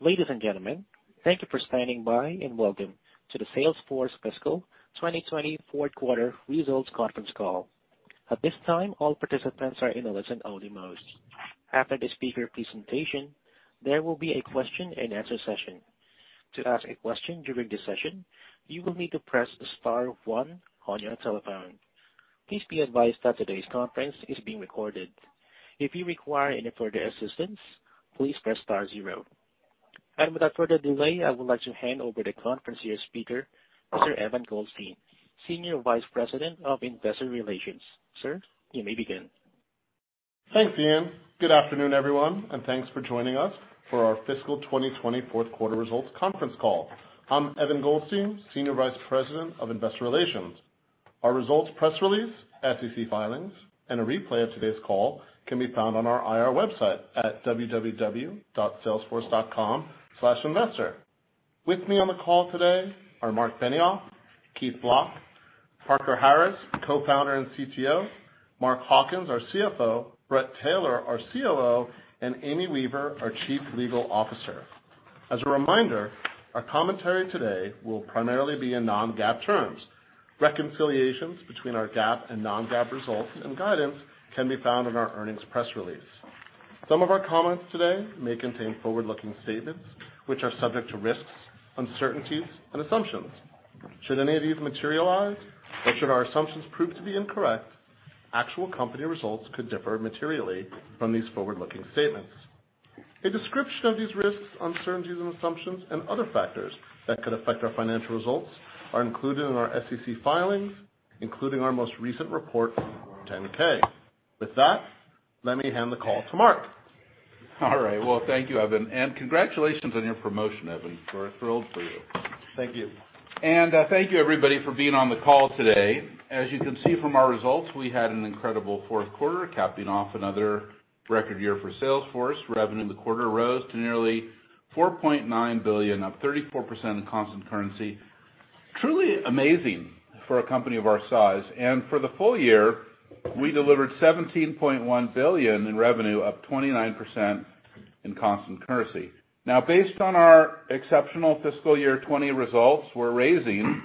Ladies and gentlemen, thank you for standing by and welcome to the Salesforce fiscal 2020 fourth quarter results conference call. At this time, all participants are in a listen-only mode. After the speaker presentation, there will be a question and answer session. To ask a question during the session, you will need to press star one on your telephone. Please be advised that today's conference is being recorded. If you require any further assistance, please press star zero. Without further delay, I would like to hand over the conference to your speaker, Mr. Evan Goldstein, Senior Vice President of Investor Relations. Sir, you may begin. Thanks, Ian. Good afternoon, everyone, and thanks for joining us for our fiscal 2020 fourth quarter results conference call. I'm Evan Goldstein, Senior Vice President of Investor Relations. Our results, press release, SEC filings, and a replay of today's call can be found on our IR website at www.salesforce.com/investor. With me on the call today are Marc Benioff, Keith Block, Parker Harris, Co-founder and CTO, Mark Hawkins, our CFO, Bret Taylor, our COO, and Amy Weaver, our Chief Legal Officer. As a reminder, our commentary today will primarily be in non-GAAP terms. Reconciliations between our GAAP and non-GAAP results and guidance can be found in our earnings press release. Some of our comments today may contain forward-looking statements which are subject to risks, uncertainties, and assumptions. Should any of these materialize or should our assumptions prove to be incorrect, actual company results could differ materially from these forward-looking statements. A description of these risks, uncertainties and assumptions and other factors that could affect our financial results are included in our SEC filings, including our most recent report, 10-K. With that, let me hand the call to Marc. All right. Well, thank you, Evan. Congratulations on your promotion, Evan. We're thrilled for you. Thank you. Thank you everybody for being on the call today. As you can see from our results, we had an incredible fourth quarter, capping off another record year for Salesforce. Revenue in the quarter rose to nearly $4.9 billion, up 34% in constant currency. Truly amazing for a company of our size. For the full year, we delivered $17.1 billion in revenue, up 29% in constant currency. Based on our exceptional fiscal year 2020 results, we're raising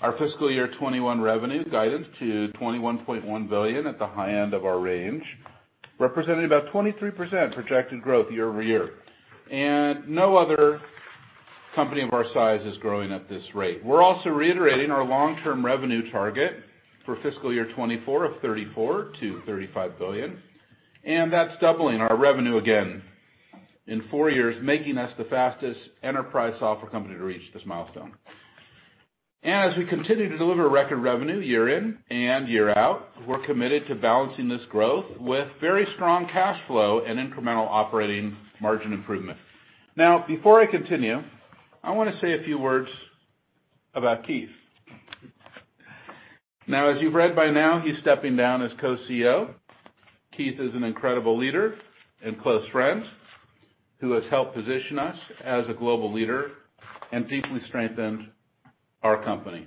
our fiscal year 2021 revenue guidance to $21.1 billion at the high end of our range, representing about 23% projected growth year-over-year. No other company of our size is growing at this rate. We're also reiterating our long-term revenue target for fiscal year 2024 of $34 billion-$35 billion. That's doubling our revenue again in four years, making us the fastest enterprise software company to reach this milestone. As we continue to deliver record revenue year in and year out, we're committed to balancing this growth with very strong cash flow and incremental operating margin improvement. Now before I continue, I want to say a few words about Keith. Now, as you've read by now, he's stepping down as Co-CEO. Keith is an incredible leader and close friend who has helped position us as a global leader and deeply strengthened our company.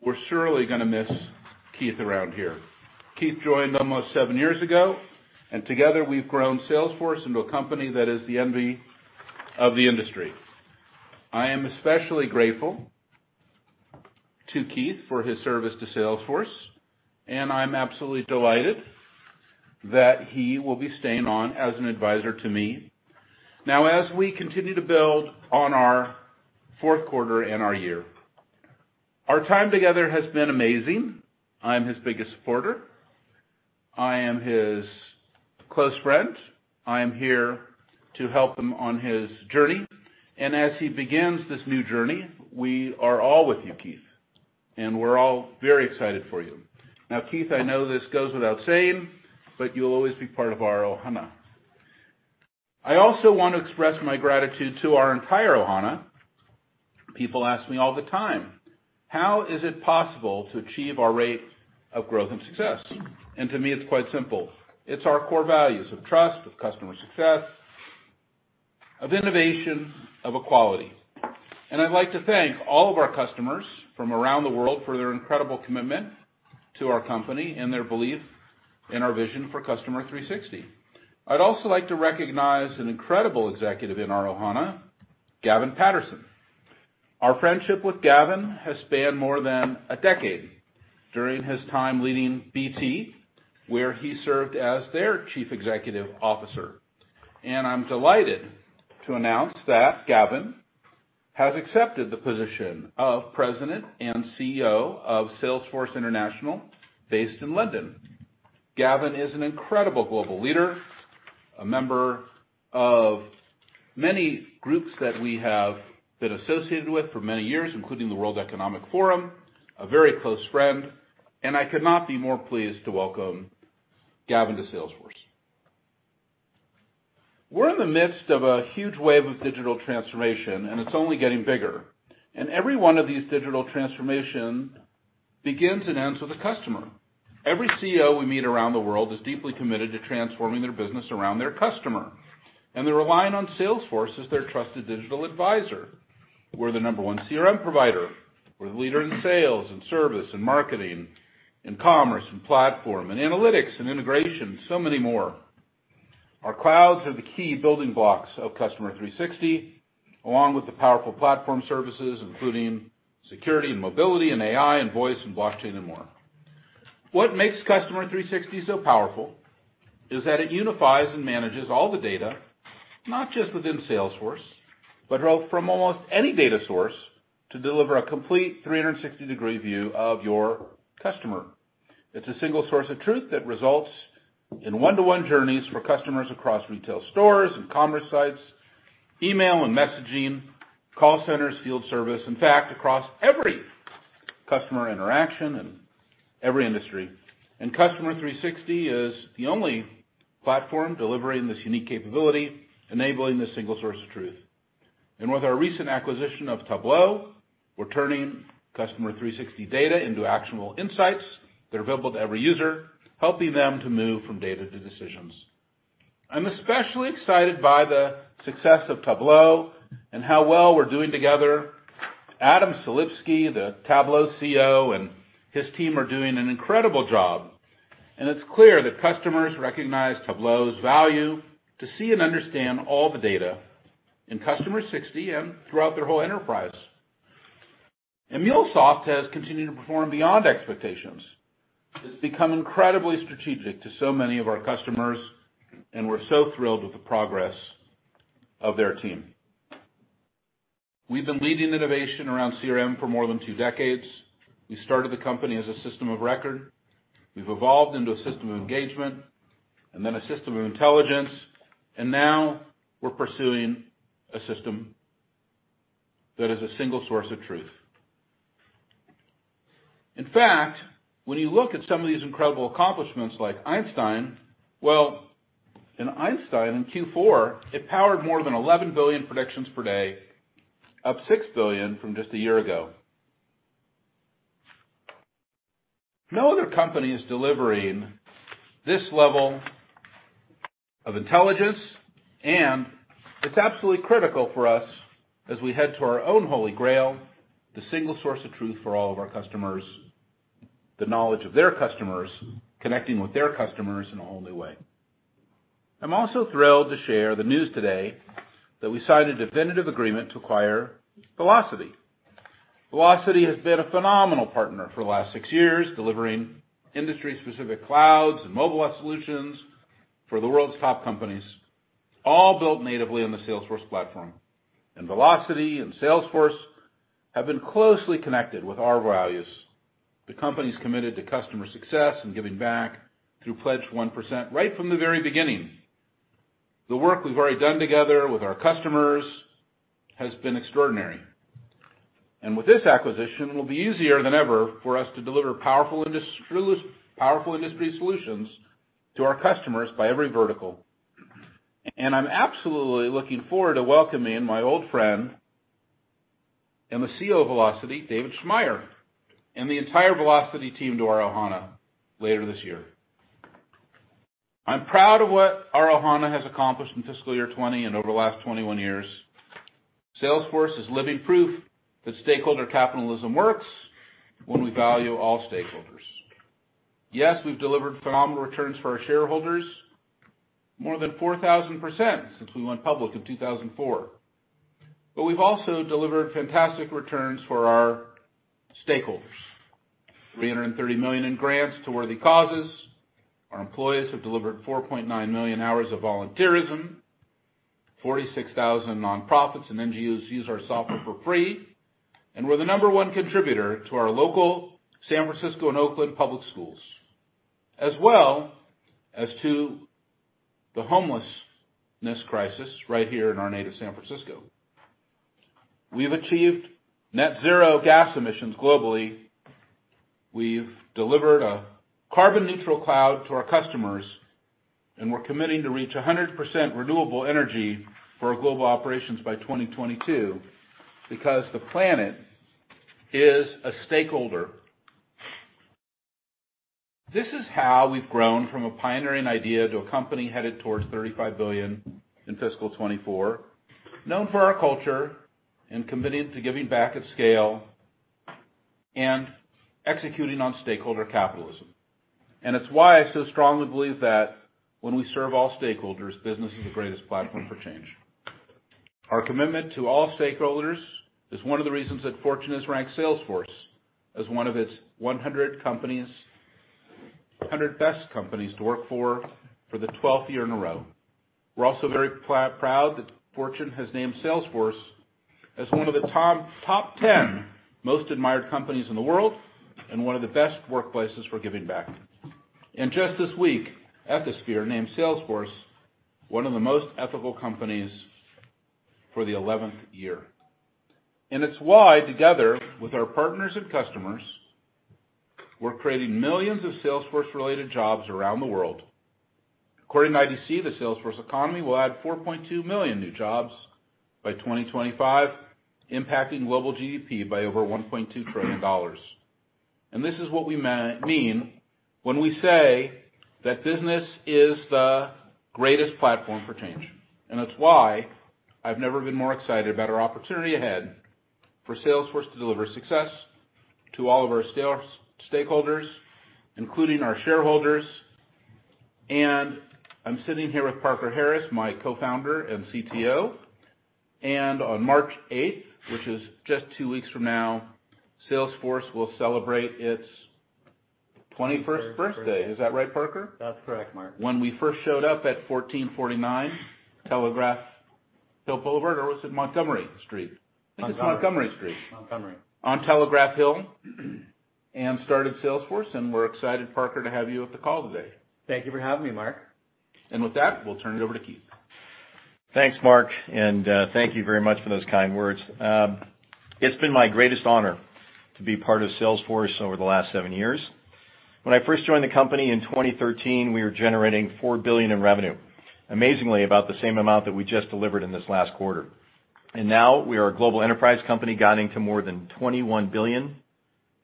We're surely going to miss Keith around here. Keith joined almost seven years ago, and together we've grown Salesforce into a company that is the envy of the industry. I am especially grateful to Keith for his service to Salesforce, and I'm absolutely delighted that he will be staying on as an advisor to me now as we continue to build on our fourth quarter and our year. Our time together has been amazing. I'm his biggest supporter. I am his close friend. I am here to help him on his journey. As he begins this new journey, we are all with you, Keith, and we're all very excited for you. Keith, I know this goes without saying, but you'll always be part of our ohana. I also want to express my gratitude to our entire ohana. People ask me all the time, how is it possible to achieve our rate of growth and success? To me it's quite simple. It's our core values of trust, of customer success, of innovation, of equality. I'd like to thank all of our customers from around the world for their incredible commitment to our company and their belief in our vision for Customer 360. I'd also like to recognize an incredible executive in our ohana, Gavin Patterson. Our friendship with Gavin has spanned more than a decade during his time leading BT, where he served as their chief executive officer. I'm delighted to announce that Gavin has accepted the position of President and CEO of Salesforce International based in London. Gavin is an incredible global leader, a member of many groups that we have been associated with for many years, including the World Economic Forum, a very close friend, and I could not be more pleased to welcome Gavin to Salesforce. We're in the midst of a huge wave of digital transformation, and it's only getting bigger. Every one of these digital transformations begins and ends with the customer. Every CEO we meet around the world is deeply committed to transforming their business around their customer, and they're relying on Salesforce as their trusted digital advisor. We're the number one CRM provider. We're the leader in sales and service and marketing and commerce and platform and analytics and integration, so many more. Our clouds are the key building blocks of Customer 360, along with the powerful platform services, including security and mobility and AI and voice and blockchain and more. What makes Customer 360 so powerful is that it unifies and manages all the data, not just within Salesforce, but from almost any data source to deliver a complete 360-degree view of your customer. It's a single source of truth that results in one-to-one journeys for customers across retail stores and commerce sites, email and messaging, call centers, field service, in fact, across every customer interaction and every industry. Customer 360 is the only platform delivering this unique capability, enabling this single source of truth. With our recent acquisition of Tableau, we're turning Customer 360 data into actionable insights that are available to every user, helping them to move from data to decisions. I'm especially excited by the success of Tableau and how well we're doing together. Adam Selipsky, the Tableau CEO, and his team are doing an incredible job. It's clear that customers recognize Tableau's value to see and understand all the data in Customer 360 and throughout their whole enterprise. MuleSoft has continued to perform beyond expectations. It's become incredibly strategic to so many of our customers, and we're so thrilled with the progress of their team. We've been leading the innovation around CRM for more than two decades. We started the company as a system of record. We've evolved into a system of engagement, and then a system of intelligence, and now we're pursuing a system that is a single source of truth. In fact, when you look at some of these incredible accomplishments like Einstein, well, in Einstein, in Q4, it powered more than 11 billion predictions per day, up six billion from just a year ago. No other company is delivering this level of intelligence, and it's absolutely critical for us as we head to our own holy grail, the single source of truth for all of our customers, the knowledge of their customers, connecting with their customers in a whole new way. I'm also thrilled to share the news today that we signed a definitive agreement to acquire Vlocity. Vlocity has been a phenomenal partner for the last six years, delivering industry-specific clouds and mobile solutions for the world's top companies, all built natively on the Salesforce platform. Vlocity and Salesforce have been closely connected with our values. The company's committed to customer success and giving back through Pledge 1% right from the very beginning. The work we've already done together with our customers has been extraordinary. With this acquisition, it will be easier than ever for us to deliver powerful industry solutions to our customers by every vertical. I'm absolutely looking forward to welcoming my old friend and the CEO of Vlocity, David Schmaier, and the entire Vlocity team to our Ohana later this year. I'm proud of what our ohana has accomplished in fiscal year 2020 and over the last 21 years. Salesforce is living proof that stakeholder capitalism works when we value all stakeholders. Yes, we've delivered phenomenal returns for our shareholders, more than 4,000% since we went public in 2004. We've also delivered fantastic returns for our stakeholders. $330 million in grants to worthy causes. Our employees have delivered 4.9 million hours of volunteerism. 46,000 nonprofits and NGOs use our software for free. We're the number one contributor to our local San Francisco and Oakland public schools, as well as to the homelessness crisis right here in our native San Francisco. We've achieved net zero gas emissions globally. We've delivered a carbon neutral cloud to our customers. We're committing to reach 100% renewable energy for our global operations by 2022 because the planet is a stakeholder. This is how we've grown from a pioneering idea to a company headed towards $35 billion in fiscal 2024, known for our culture and committed to giving back at scale and executing on stakeholder capitalism. It's why I so strongly believe that when we serve all stakeholders, business is the greatest platform for change. Our commitment to all stakeholders is one of the reasons that Fortune has ranked Salesforce as one of its 100 Best Companies to Work For, for the 12th year in a row. We're also very proud that Fortune has named Salesforce as one of the Top 10 Most Admired Companies in the world and one of the Best Workplaces for Giving Back. Just this week, Ethisphere named Salesforce one of the most ethical companies for the 11th year. It's why, together with our partners and customers, we're creating millions of Salesforce-related jobs around the world. According to IDC, the Salesforce economy will add 4.2 million new jobs by 2025, impacting global GDP by over $1.2 trillion. This is what we mean when we say that business is the greatest platform for change. It's why I've never been more excited about our opportunity ahead for Salesforce to deliver success to all of our stakeholders, including our shareholders. I'm sitting here with Parker Harris, my co-founder and CTO, on March 8th, which is just two weeks from now, Salesforce will celebrate its 21st birthday. Is that right, Parker? That's correct, Marc. When we first showed up at 1449 Telegraph Hill Boulevard, or was it Montgomery Street? Montgomery. I think it's Montgomery Street. Montgomery. On Telegraph Hill and started Salesforce, and we're excited, Parker, to have you at the call today. Thank you for having me, Marc. With that, we'll turn it over to Keith. Thanks, Marc. Thank you very much for those kind words. It's been my greatest honor to be part of Salesforce over the last seven years. When I first joined the company in 2013, we were generating $4 billion in revenue, amazingly about the same amount that we just delivered in this last quarter. Now we are a global enterprise company guiding to more than $21 billion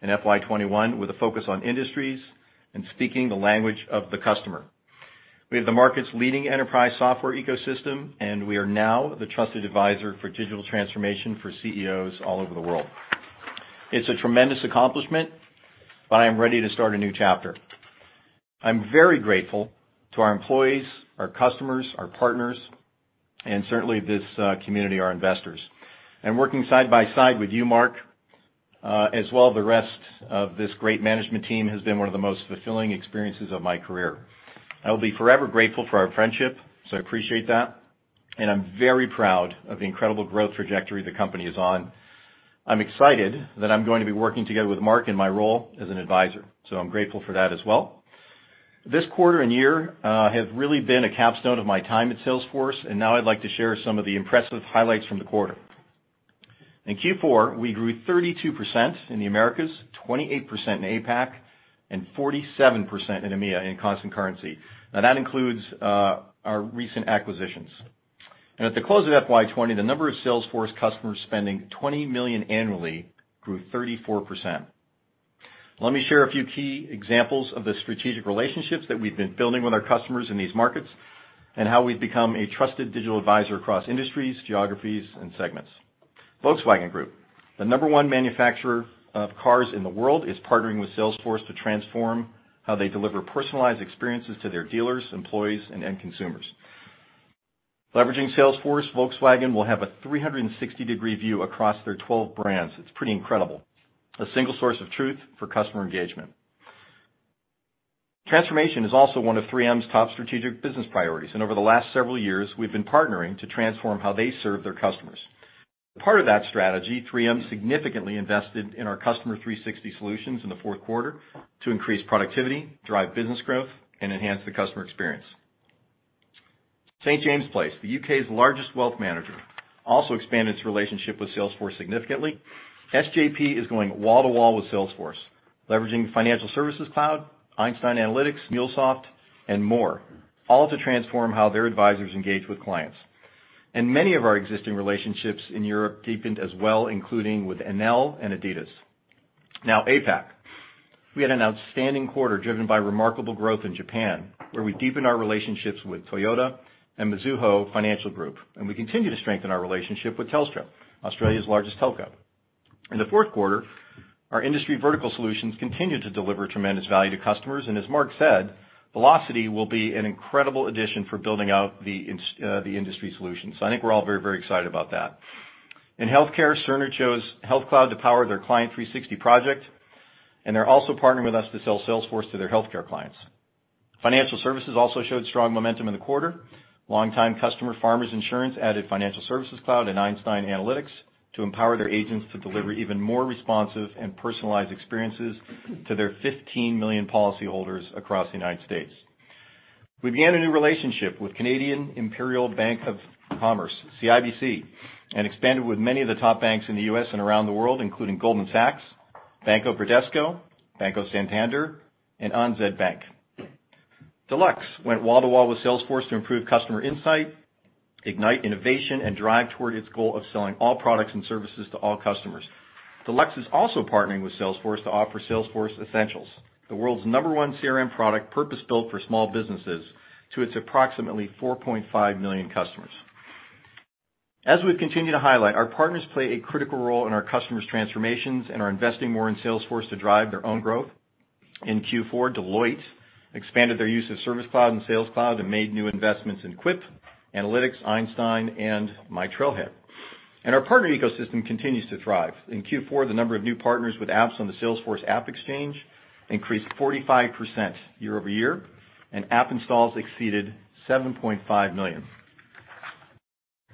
in FY 2021, with a focus on industries and speaking the language of the customer. We have the market's leading enterprise software ecosystem. We are now the trusted advisor for digital transformation for CEOs all over the world. It's a tremendous accomplishment. I am ready to start a new chapter. I'm very grateful to our employees, our customers, our partners, and certainly this community, our investors. Working side by side with you, Marc, as well the rest of this great management team, has been one of the most fulfilling experiences of my career. I will be forever grateful for our friendship, so I appreciate that, and I'm very proud of the incredible growth trajectory the company is on. I'm excited that I'm going to be working together with Marc in my role as an advisor, so I'm grateful for that as well. This quarter and year have really been a capstone of my time at Salesforce, and now I'd like to share some of the impressive highlights from the quarter. In Q4, we grew 32% in the Americas, 28% in APAC, and 47% in EMEA in constant currency. That includes our recent acquisitions. At the close of FY 2020, the number of Salesforce customers spending $20 million annually grew 34%. Let me share a few key examples of the strategic relationships that we've been building with our customers in these markets and how we've become a trusted digital advisor across industries, geographies, and segments. Volkswagen Group, the number one manufacturer of cars in the world, is partnering with Salesforce to transform how they deliver personalized experiences to their dealers, employees, and end consumers. Leveraging Salesforce, Volkswagen will have a 360-degree view across their 12 brands. It's pretty incredible. A single source of truth for customer engagement. Transformation is also one of 3M's top strategic business priorities, and over the last several years, we've been partnering to transform how they serve their customers. As part of that strategy, 3M significantly invested in our Customer 360 solutions in the fourth quarter to increase productivity, drive business growth, and enhance the customer experience. St. James' Place, the U.K.'s largest wealth manager, also expanded its relationship with Salesforce significantly. SJP is going wall to wall with Salesforce, leveraging Financial Services Cloud, Einstein Analytics, MuleSoft, and more, all to transform how their advisors engage with clients. Many of our existing relationships in Europe deepened as well, including with Enel and adidas. APAC. We had an outstanding quarter driven by remarkable growth in Japan, where we deepened our relationships with Toyota and Mizuho Financial Group. We continue to strengthen our relationship with Telstra, Australia's largest telco. In the fourth quarter, our industry vertical solutions continued to deliver tremendous value to customers, and as Marc said, Vlocity will be an incredible addition for building out the industry solutions. I think we're all very excited about that. In healthcare, Cerner chose Health Cloud to power their Client 360 project, and they're also partnering with us to sell Salesforce to their healthcare clients. Financial services also showed strong momentum in the quarter. Longtime customer, Farmers Insurance, added Financial Services Cloud and Einstein Analytics to empower their agents to deliver even more responsive and personalized experiences to their 15 million policyholders across the U.S. We began a new relationship with Canadian Imperial Bank of Commerce, CIBC, and expanded with many of the top banks in the U.S. and around the world, including Goldman Sachs, Banco Bradesco, Banco Santander, and ANZ Bank. Deluxe went wall to wall with Salesforce to improve customer insight, ignite innovation, and drive toward its goal of selling all products and services to all customers. Deluxe is also partnering with Salesforce to offer Salesforce Essentials, the world's number one CRM product purpose-built for small businesses to its approximately 4.5 million customers. As we've continued to highlight, our partners play a critical role in our customers' transformations and are investing more in Salesforce to drive their own growth. In Q4, Deloitte expanded their use of Service Cloud and Sales Cloud and made new investments in Quip, Analytics, Einstein, and myTrailhead. Our partner ecosystem continues to thrive. In Q4, the number of new partners with apps on the Salesforce AppExchange increased 45% year-over-year, and app installs exceeded 7.5 million.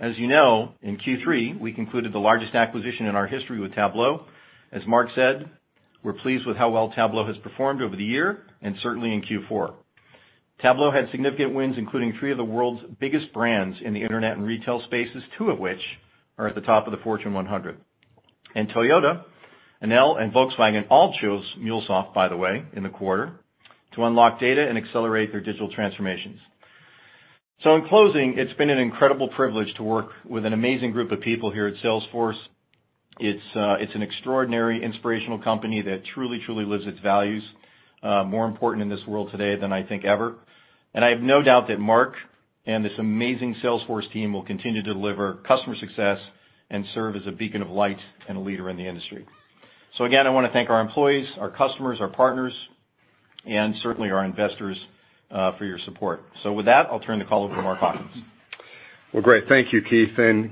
As you know, in Q3, we concluded the largest acquisition in our history with Tableau. As Mark said, we're pleased with how well Tableau has performed over the year and certainly in Q4. Tableau had significant wins, including three of the world's biggest brands in the internet and retail spaces, two of which are at the top of the Fortune 100. Toyota, Enel, and Volkswagen all chose MuleSoft, by the way, in the quarter to unlock data and accelerate their digital transformations. In closing, it's been an incredible privilege to work with an amazing group of people here at Salesforce. It's an extraordinary, inspirational company that truly lives its values. More important in this world today than I think ever. I have no doubt that Marc and this amazing Salesforce team will continue to deliver customer success and serve as a beacon of light and a leader in the industry. Again, I want to thank our employees, our customers, our partners, and certainly our investors for your support. With that, I'll turn the call over to Mark Hawkins. Well, great. Thank you, Keith.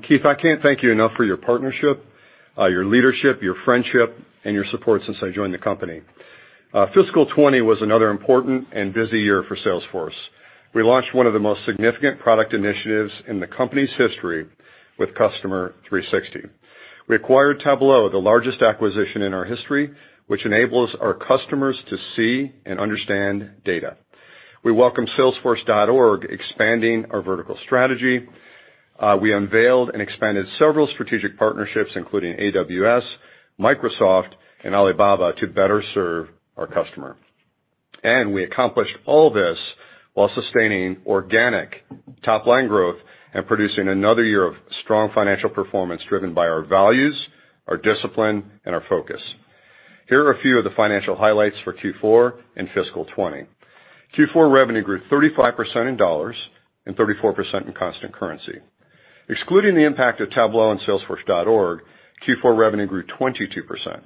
Keith, I can't thank you enough for your partnership, your leadership, your friendship, and your support since I joined the company. Fiscal 2020 was another important and busy year for Salesforce. We launched one of the most significant product initiatives in the company's history with Customer 360. We acquired Tableau, the largest acquisition in our history, which enables our customers to see and understand data. We welcome salesforce.org, expanding our vertical strategy. We unveiled and expanded several strategic partnerships, including AWS, Microsoft, and Alibaba, to better serve our customer. We accomplished all this while sustaining organic top-line growth and producing another year of strong financial performance, driven by our values, our discipline, and our focus. Here are a few of the financial highlights for Q4 and fiscal 2020. Q4 revenue grew 35% in dollars and 34% in constant currency. Excluding the impact of Tableau and salesforce.org, Q4 revenue grew 22%.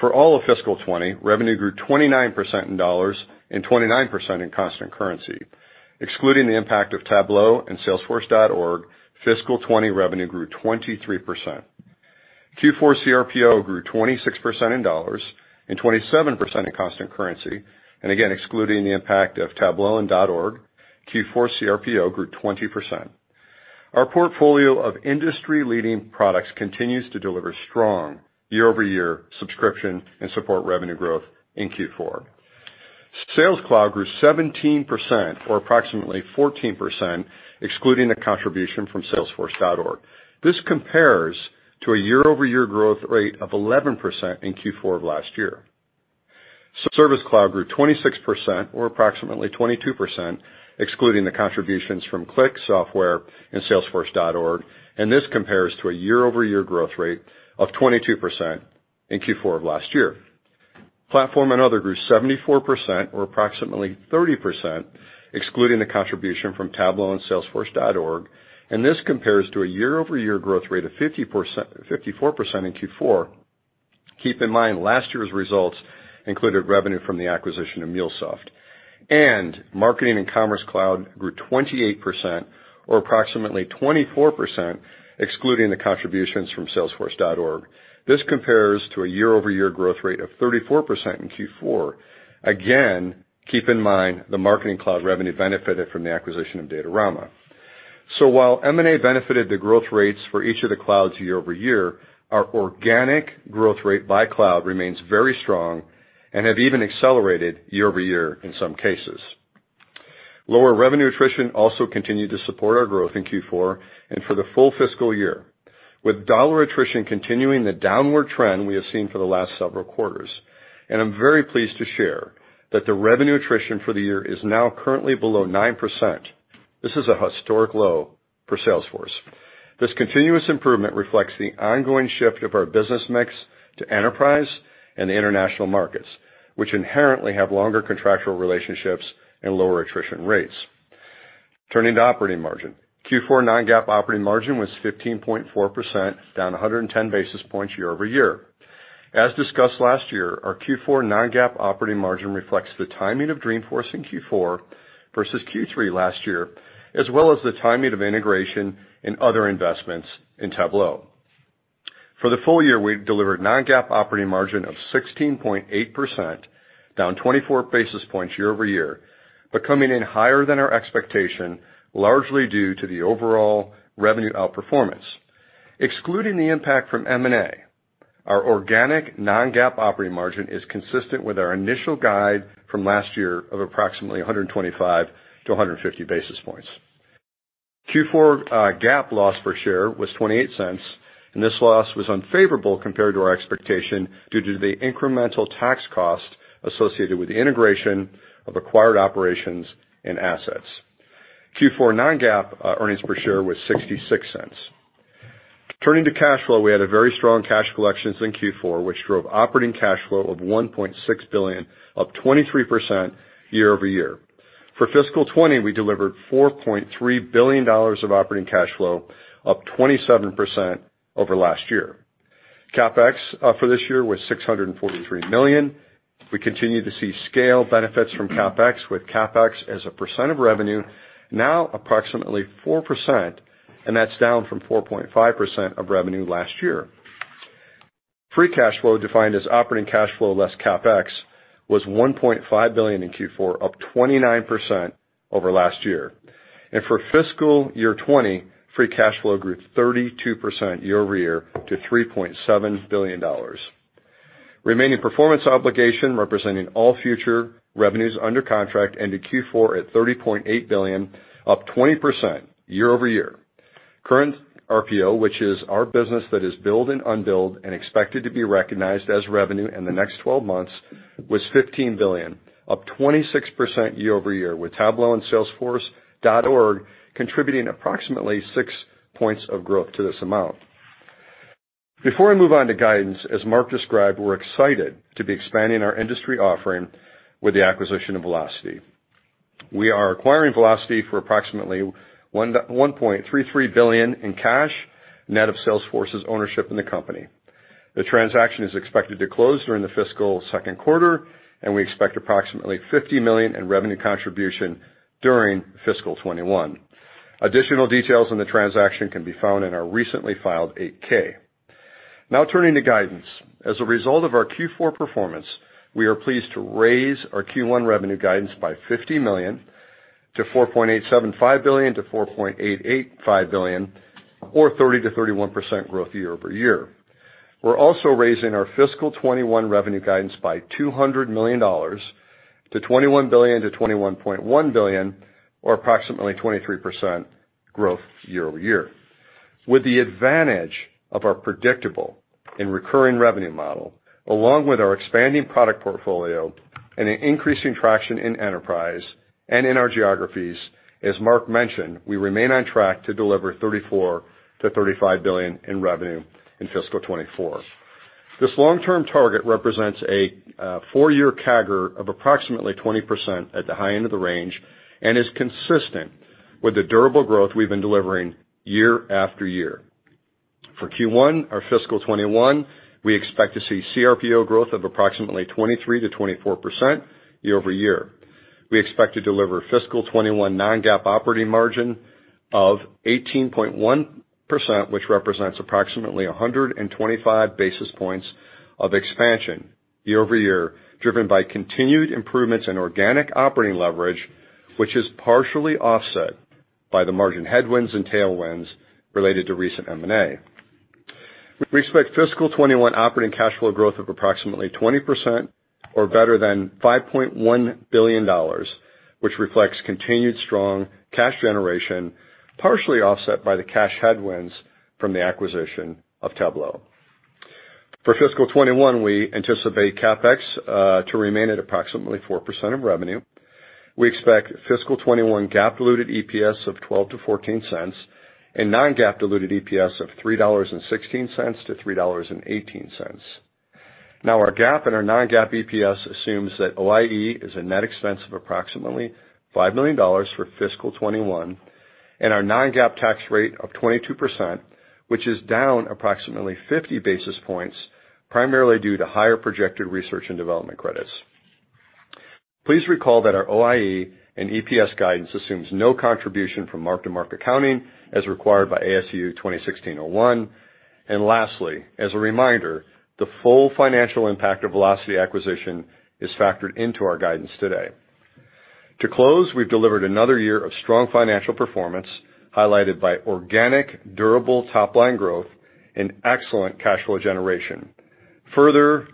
For all of fiscal 2020, revenue grew 29% in dollars and 29% in constant currency. Excluding the impact of Tableau and salesforce.org, fiscal 2020 revenue grew 23%. Q4 CRPO grew 26% in dollars and 27% in constant currency. Again, excluding the impact of Tableau and .org, Q4 CRPO grew 20%. Our portfolio of industry-leading products continues to deliver strong year-over-year subscription and support revenue growth in Q4. Sales Cloud grew 17%, or approximately 14%, excluding the contribution from salesforce.org. This compares to a year-over-year growth rate of 11% in Q4 of last year. Service Cloud grew 26%, or approximately 22%, excluding the contributions from ClickSoftware and salesforce.org, and this compares to a year-over-year growth rate of 22% in Q4 of last year. Platform and other grew 74%, or approximately 30%, excluding the contribution from Tableau and salesforce.org. This compares to a year-over-year growth rate of 54% in Q4. Keep in mind, last year's results included revenue from the acquisition of MuleSoft. Marketing and Commerce Cloud grew 28%, or approximately 24%, excluding the contributions from salesforce.org. This compares to a year-over-year growth rate of 34% in Q4. Again, keep in mind, the Marketing Cloud revenue benefited from the acquisition of Datorama. While M&A benefited the growth rates for each of the clouds year-over-year, our organic growth rate by cloud remains very strong and have even accelerated year-over-year in some cases. Lower revenue attrition also continued to support our growth in Q4 and for the full fiscal year, with dollar attrition continuing the downward trend we have seen for the last several quarters. I'm very pleased to share that the revenue attrition for the year is now currently below 9%. This is a historic low for Salesforce. This continuous improvement reflects the ongoing shift of our business mix to enterprise and the international markets, which inherently have longer contractual relationships and lower attrition rates. Turning to operating margin. Q4 non-GAAP operating margin was 15.4%, down 110 basis points year-over-year. As discussed last year, our Q4 non-GAAP operating margin reflects the timing of Dreamforce in Q4 versus Q3 last year, as well as the timing of integration and other investments in Tableau. For the full year, we delivered non-GAAP operating margin of 16.8%, down 24 basis points year-over-year, but coming in higher than our expectation, largely due to the overall revenue outperformance. Excluding the impact from M&A, our organic non-GAAP operating margin is consistent with our initial guide from last year of approximately 125 basis points-150 basis points. Q4 GAAP loss per share was $0.28. This loss was unfavorable compared to our expectation due to the incremental tax cost associated with the integration of acquired operations and assets. Q4 non-GAAP earnings per share was $0.66. Turning to cash flow, we had a very strong cash collections in Q4, which drove operating cash flow of $1.6 billion, up 23% year-over-year. For FY 2020, we delivered $4.3 billion of operating cash flow, up 27% over last year. CapEx for this year was $643 million. We continue to see scale benefits from CapEx, with CapEx as a percent of revenue now approximately 4%, and that's down from 4.5% of revenue last year. Free cash flow, defined as operating cash flow less CapEx, was $1.5 billion in Q4, up 29% over last year. For fiscal year 2020, free cash flow grew 32% year-over-year to $3.7 billion. Remaining performance obligation, representing all future revenues under contract, ended Q4 at $30.8 billion, up 20% year-over-year. Current RPO, which is our business that is billed and unbilled and expected to be recognized as revenue in the next 12 months, was $15 billion, up 26% year-over-year, with Tableau and salesforce.org contributing approximately six points of growth to this amount. Before I move on to guidance, as Marc described, we're excited to be expanding our industry offering with the acquisition of Vlocity. We are acquiring Vlocity for approximately $1.33 billion in cash, net of Salesforce's ownership in the company. The transaction is expected to close during the fiscal second quarter. We expect approximately $50 million in revenue contribution during fiscal 2021. Additional details on the transaction can be found in our recently filed 8-K. Turning to guidance. As a result of our Q4 performance, we are pleased to raise our Q1 revenue guidance by $50 million to $4.875 billion-$4.885 billion, or 30%-31% growth year-over-year. We're also raising our fiscal 2021 revenue guidance by $200 million to $21 billion-$21.1 billion, or approximately 23% growth year-over-year. With the advantage of our predictable and recurring revenue model, along with our expanding product portfolio and an increasing traction in enterprise and in our geographies, as Marc mentioned, we remain on track to deliver $34 billion-$35 billion in revenue in fiscal 2024. This long-term target represents a four-year CAGR of approximately 20% at the high end of the range and is consistent with the durable growth we've been delivering year after year. For Q1 or fiscal 2021, we expect to see CRPO growth of approximately 23%-24% year-over-year. We expect to deliver fiscal 2021 non-GAAP operating margin of 18.1%, which represents approximately 125 basis points of expansion year-over-year, driven by continued improvements in organic operating leverage, which is partially offset by the margin headwinds and tailwinds related to recent M&A. We expect fiscal 2021 operating cash flow growth of approximately 20%, or better than $5.1 billion, which reflects continued strong cash generation, partially offset by the cash headwinds from the acquisition of Tableau. For fiscal 2021, we anticipate CapEx to remain at approximately 4% of revenue. We expect fiscal 2021 GAAP diluted EPS of $0.12-$0.14 and non-GAAP diluted EPS of $3.16-$3.18. Our GAAP and our non-GAAP EPS assumes that OIE is a net expense of approximately $5 million for fiscal 2021 and our non-GAAP tax rate of 22%, which is down approximately 50 basis points, primarily due to higher projected research and development credits. Please recall that our OIE and EPS guidance assumes no contribution from mark-to-market accounting as required by ASU 2016-01. Lastly, as a reminder, the full financial impact of Vlocity acquisition is factored into our guidance today. To close, we've delivered another year of strong financial performance, highlighted by organic, durable top-line growth and excellent cash flow generation. Further,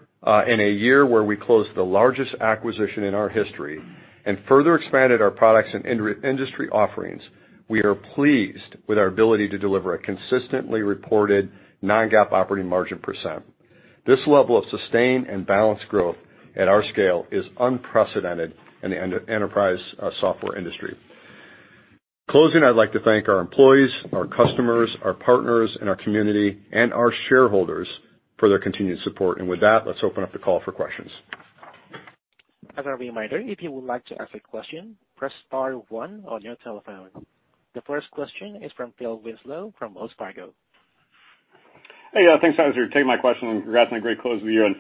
in a year where we closed the largest acquisition in our history and further expanded our products and industry offerings, we are pleased with our ability to deliver a consistently reported non-GAAP operating margin percent. This level of sustained and balanced growth at our scale is unprecedented in the enterprise software industry. Closing, I'd like to thank our employees, our customers, our partners in our community and our shareholders for their continued support. With that, let's open up the call for questions. As a reminder, if you would like to ask a question, press star one on your telephone. The first question is from Phil Winslow from Wells Fargo. Hey, thanks for taking my question, congrats on a great close of the year.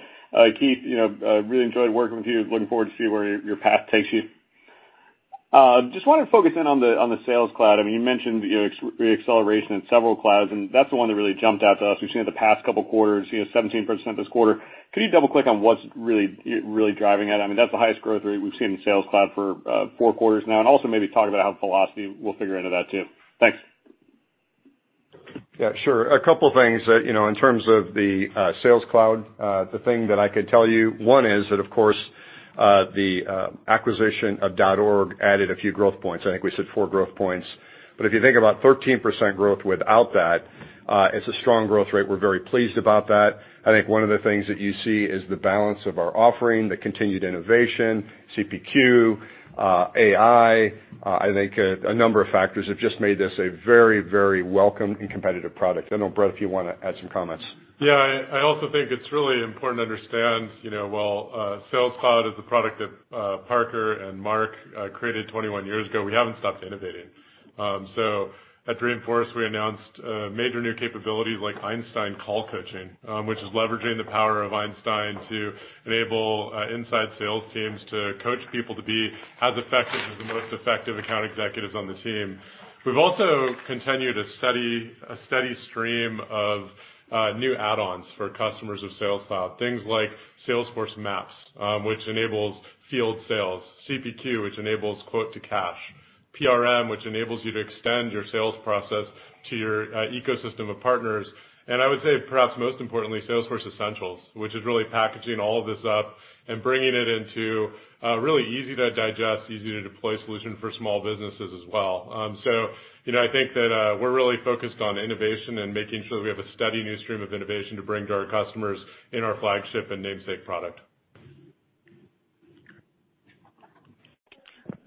Keith, I really enjoyed working with you. Looking forward to see where your path takes you. I just want to focus in on the Sales Cloud. You mentioned re-acceleration in several clouds, and that's the one that really jumped out to us. We've seen it the past couple of quarters, 17% this quarter. Could you double-click on what's really driving that? I mean, that's the highest growth rate we've seen in Sales Cloud for four quarters now. Also maybe talk about how Vlocity will figure into that, too. Thanks. Yeah, sure. A couple of things. In terms of the Sales Cloud, the thing that I could tell you, one is that, of course, the acquisition of .org added a few growth points. I think we said four growth points. If you think about 13% growth without that, it's a strong growth rate. We're very pleased about that. I think one of the things that you see is the balance of our offering, the continued innovation, CPQ, AI. I think a number of factors have just made this a very welcome and competitive product. I don't know, Bret, if you want to add some comments. Yeah. I also think it's really important to understand, while Sales Cloud is the product that Parker and Marc created 21 years ago, we haven't stopped innovating. At Dreamforce, we announced major new capabilities like Einstein Call Coaching, which is leveraging the power of Einstein to enable inside sales teams to coach people to be as effective as the most effective account executives on the team. We've also continued a steady stream of new add-ons for customers of Sales Cloud. Things like Salesforce Maps, which enables field sales. CPQ, which enables quote to cash. PRM, which enables you to extend your sales process to your ecosystem of partners. I would say perhaps most importantly, Salesforce Essentials, which is really packaging all of this up and bringing it into a really easy-to-digest, easy-to-deploy solution for small businesses as well. I think that we're really focused on innovation and making sure that we have a steady new stream of innovation to bring to our customers in our flagship and namesake product.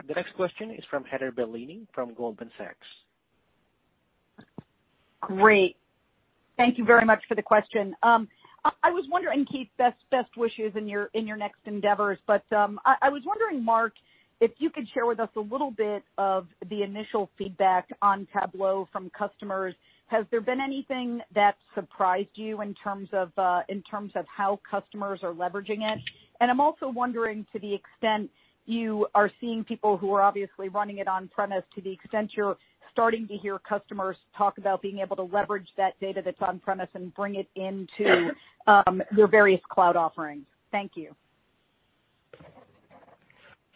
The next question is from Heather Bellini from Goldman Sachs. Great. Thank you very much for the question. Keith, best wishes in your next endeavors. I was wondering, Marc, if you could share with us a little of the initial feedback on Tableau from customers. Has there been anything that surprised you in terms of how customers are leveraging it? I'm also wondering, to the extent you are seeing people who are obviously running it on-premise, to the extent you're starting to hear customers talk about being able to leverage that data that's on-premise and bring it into your various cloud offerings. Thank you.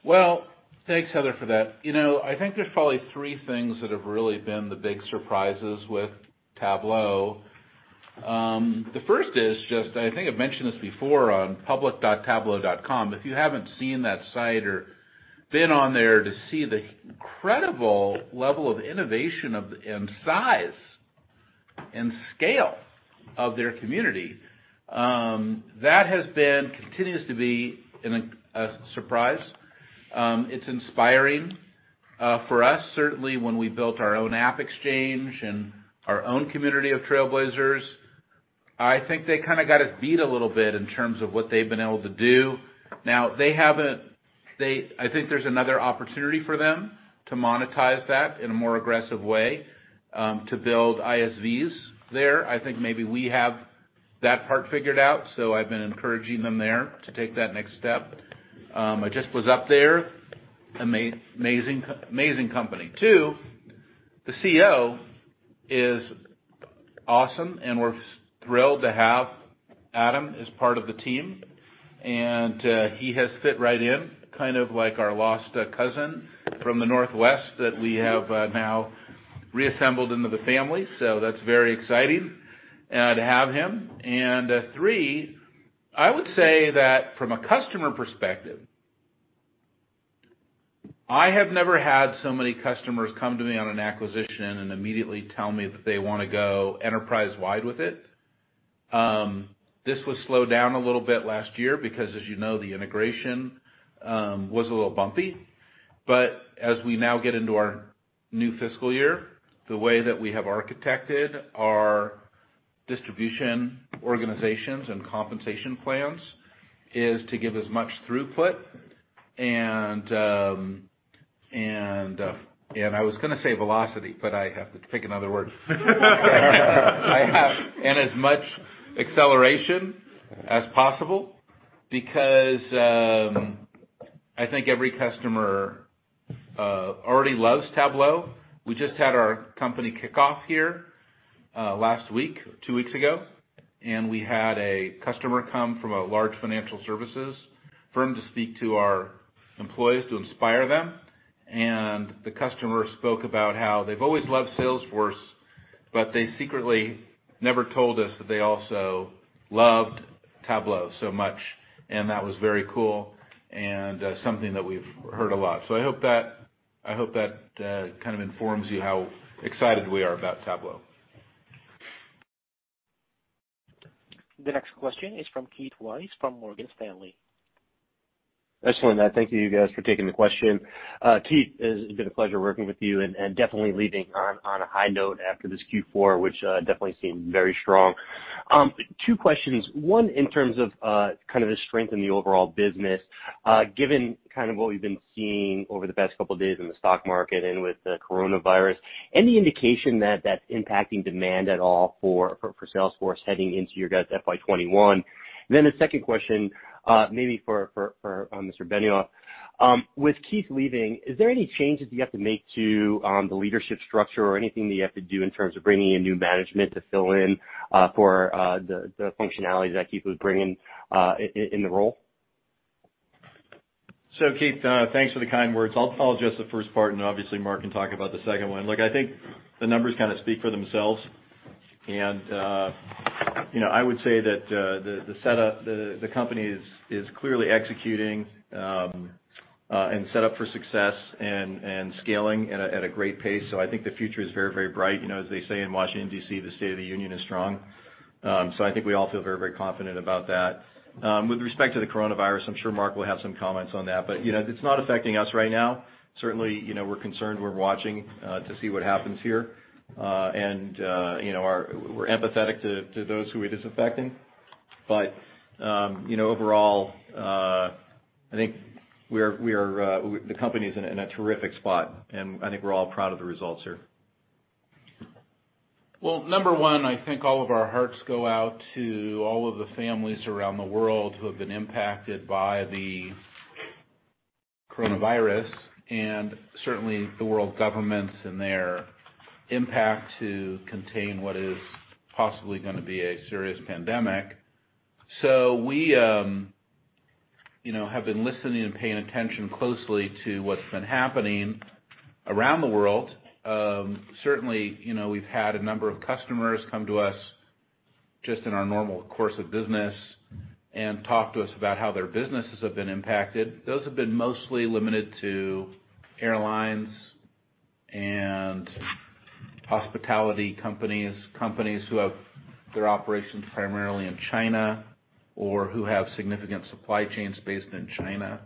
Well, thanks, Heather, for that. I think there's probably three things that have really been the big surprises with Tableau. The first is just, I think I've mentioned this before on public.tableau.com. If you haven't seen that site or been on there to see the incredible level of innovation and size and scale of their community, that continues to be a surprise. It's inspiring for us, certainly, when we built our own AppExchange and our own community of trailblazers. I think they kind of got us beat a little bit in terms of what they've been able to do. I think there's another opportunity for them to monetize that in a more aggressive way, to build ISVs there. I think maybe we have that part figured out, so I've been encouraging them there to take that next step. I just was up there. Amazing company. Two, the CEO is awesome. We're thrilled to have Adam as part of the team. He has fit right in, kind of like our lost cousin from the Northwest that we have now reassembled into the family. That's very exciting to have him. Three, I would say that from a customer perspective, I have never had so many customers come to me on an acquisition and immediately tell me that they want to go enterprise-wide with it. This was slowed down a little bit last year because, as you know, the integration was a little bumpy. As we now get into our new fiscal year, the way that we have architected our distribution organizations and compensation plans is to give as much throughput and, I was going to say velocity, but I have to pick another word. As much acceleration as possible, because I think every customer already loves Tableau. We just had our company kickoff here last week, two weeks ago, and we had a customer come from a large financial services firm to speak to our employees, to inspire them. The customer spoke about how they've always loved Salesforce, but they secretly never told us that they also loved Tableau so much. That was very cool, and something that we've heard a lot. I hope that kind of informs you how excited we are about Tableau. The next question is from Keith Weiss from Morgan Stanley. Excellent. Thank you guys for taking the question. Keith, it's been a pleasure working with you and definitely leaving on a high note after this Q4, which definitely seemed very strong. Two questions. One, in terms of kind of the strength in the overall business. Given kind of what we've been seeing over the past couple of days in the stock market and with the coronavirus, any indication that that's impacting demand at all for Salesforce heading into your guys' FY 2021? The second question, maybe for Mr. Benioff. With Keith leaving, is there any changes you have to make to the leadership structure or anything that you have to do in terms of bringing in new management to fill in for the functionalities that Keith was bringing in the role? Keith, thanks for the kind words. I'll address the first part. Obviously Marc can talk about the second one. Look, I think the numbers kind of speak for themselves. I would say that the company is clearly executing and set up for success and scaling at a great pace. I think the future is very, very bright. As they say in Washington, D.C., the state of the union is strong. I think we all feel very, very confident about that. With respect to the coronavirus, I'm sure Marc will have some comments on that. It's not affecting us right now. Certainly, we're concerned. We're watching to see what happens here. We're empathetic to those who it is affecting. Overall, I think the company's in a terrific spot, and I think we're all proud of the results here. Well, number one, I think all of our hearts go out to all of the families around the world who have been impacted by the coronavirus, and certainly the world governments and their impact to contain what is possibly going to be a serious pandemic. We have been listening and paying attention closely to what's been happening around the world. Certainly, we've had a number of customers come to us just in our normal course of business and talk to us about how their businesses have been impacted. Those have been mostly limited to airlines Hospitality companies who have their operations primarily in China, or who have significant supply chains based in China.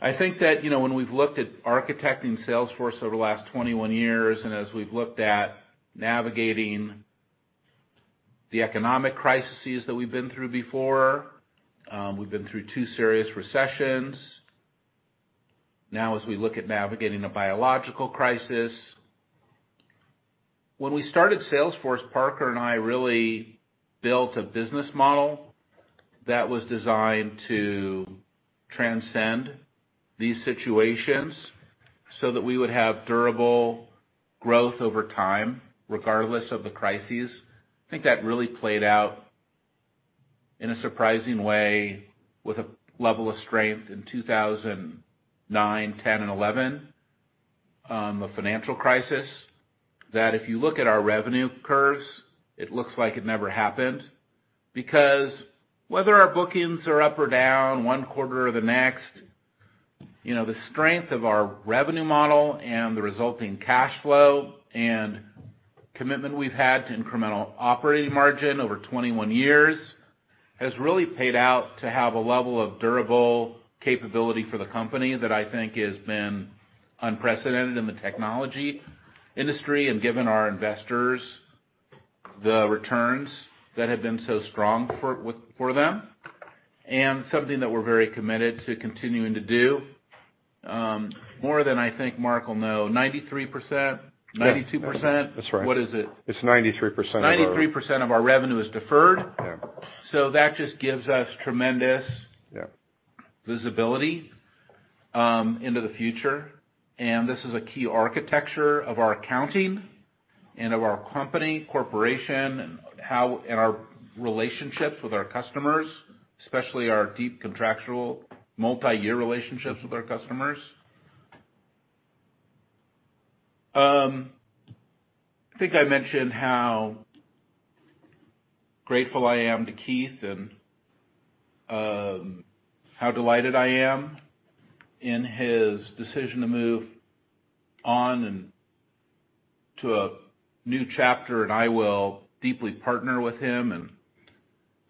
I think that when we've looked at architecting Salesforce over the last 21 years, and as we've looked at navigating the economic crises that we've been through before, we've been through two serious recessions. Now, as we look at navigating a biological crisis. When we started Salesforce, Parker and I really built a business model that was designed to transcend these situations so that we would have durable growth over time, regardless of the crises. I think that really played out in a surprising way with a level of strength in 2009, 2010, and 2011, the financial crisis, that if you look at our revenue curves, it looks like it never happened. Whether our bookings are up or down one quarter or the next, the strength of our revenue model and the resulting cash flow and commitment we've had to incremental operating margin over 21 years has really paid out to have a level of durable capability for the company that I think has been unprecedented in the technology industry, and given our investors the returns that have been so strong for them, and something that we're very committed to continuing to do. More than I think Mark will know, 93%, 92%? Yeah. That's right. What is it? It's 93%. 93% of our revenue is deferred. Yeah. That just gives us tremendous visibility into the future. this is a key architecture of our accounting and of our company, corporation, and our relationships with our customers, especially our deep contractual multi-year relationships with our customers. I think I mentioned how grateful I am to Keith and how delighted I am in his decision to move on and to a new chapter. I will deeply partner with him in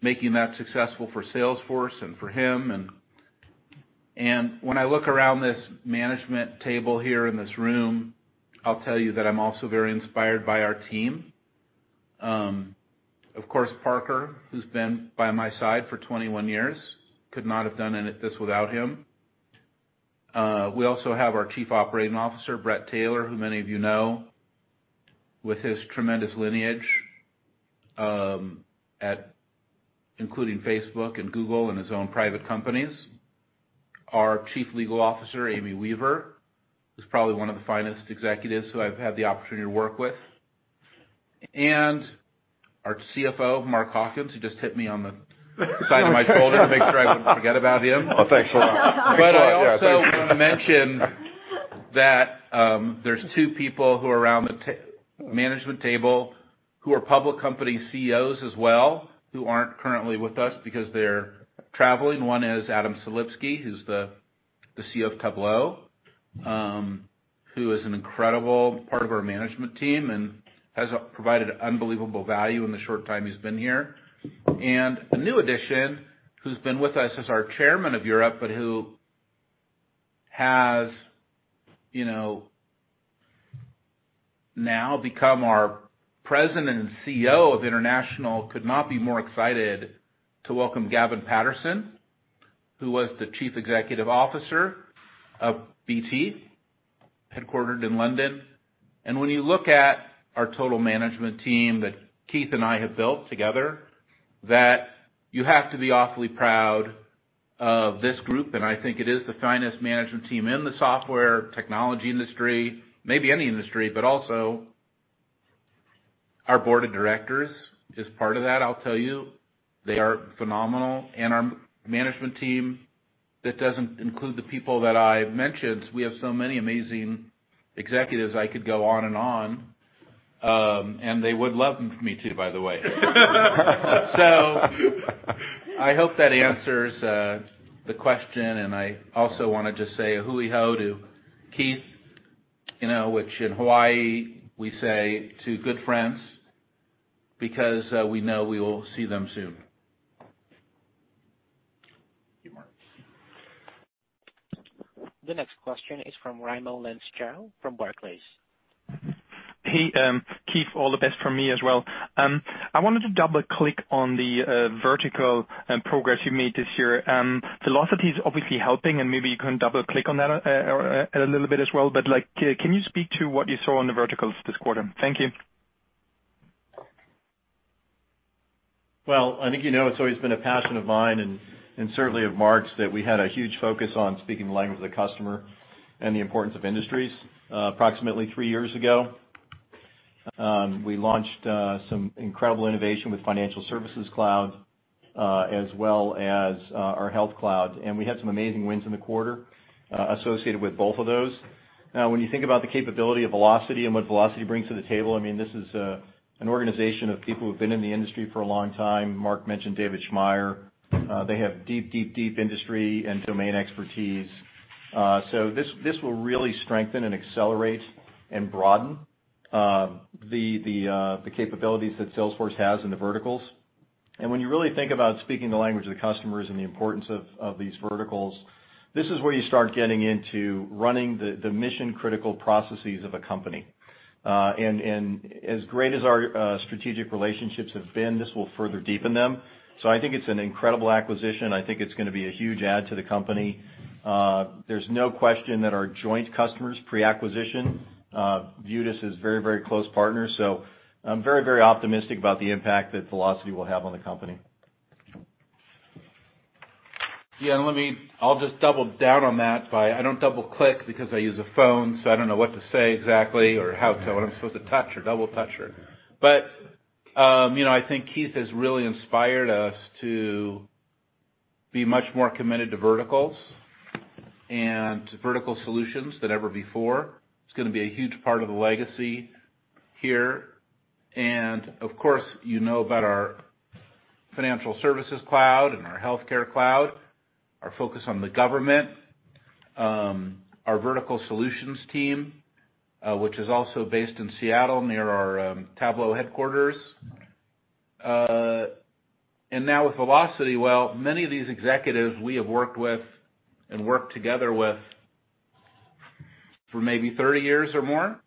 making that successful for Salesforce and for him. When I look around this management table here in this room, I'll tell you that I'm also very inspired by our team. Of course, Parker, who's been by my side for 21 years, could not have done any this without him. We also have our Chief Operating Officer, Bret Taylor, who many of you know, with his tremendous lineage, including Facebook and Google and his own private companies. Our Chief Legal Officer, Amy Weaver, who's probably one of the finest executives who I've had the opportunity to work with. Our CFO, Mark Hawkins, who just hit me on the side of my shoulder to make sure I wouldn't forget about him. Oh, thanks a lot. I also want to mention that there's two people who are around the management table who are public company CEOs as well, who aren't currently with us because they're traveling. One is Adam Selipsky, who's the CEO of Tableau, who is an incredible part of our management team and has provided unbelievable value in the short time he's been here. A new addition, who's been with us as our chairman of Europe, but who has now become our President and CEO of international, could not be more excited to welcome Gavin Patterson, who was the Chief Executive Officer of BT, headquartered in London. When you look at our total management team that Keith and I have built together, that you have to be awfully proud of this group, and I think it is the finest management team in the software technology industry, maybe any industry. Also, our board of directors is part of that, I'll tell you. They are phenomenal. Our management team, that doesn't include the people that I've mentioned, we have so many amazing executives, I could go on and on. They would love me to, by the way. I hope that answers the question. I also want to just say a hui hou to Keith, which in Hawaii, we say to good friends, because we know we will see them soon. Thank you, Marc. The next question is from Raimo Lenschow from Barclays. Hey. Keith, all the best from me as well. I wanted to double-click on the vertical progress you made this year. Vlocity is obviously helping, and maybe you can double-click on that a little bit as well, but can you speak to what you saw on the verticals this quarter? Thank you. I think you know it's always been a passion of mine and certainly of Marc's, that we had a huge focus on speaking the language of the customer and the importance of industries. Approximately three years ago, we launched some incredible innovation with Financial Services Cloud, as well as our Health Cloud, and we had some amazing wins in the quarter associated with both of those. When you think about the capability of Vlocity and what Vlocity brings to the table, this is an organization of people who've been in the industry for a long time. Marc mentioned David Schmaier. They have deep industry and domain expertise. This will really strengthen and accelerate and broaden The capabilities that Salesforce has in the verticals. When you really think about speaking the language of the customers and the importance of these verticals, this is where you start getting into running the mission-critical processes of a company. As great as our strategic relationships have been, this will further deepen them. I think it's an incredible acquisition. I think it's going to be a huge add to the company. There's no question that our joint customers, pre-acquisition, view this as very close partners. I'm very optimistic about the impact that Vlocity will have on the company. Yeah, I'll just double down on that. I don't double-click because I use a phone, so I don't know what to say exactly or what I'm supposed to touch or double touch. I think Keith has really inspired us to be much more committed to verticals and to vertical solutions than ever before. It's going to be a huge part of the legacy here. Of course, you know about our Financial Services Cloud and our Health Cloud, our focus on the government, our vertical solutions team, which is also based in Seattle near our Tableau headquarters. Now with Vlocity, well, many of these executives we have worked with and worked together with for maybe 30 years or more.